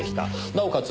なおかつ